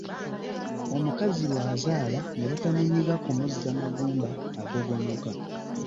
Omukazi bw’azaala ne batamunyiga kumuzza magumba agogonoka.